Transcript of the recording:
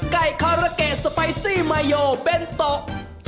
๒ไก่คาระเกะสไปซี่มายโอเป็นตก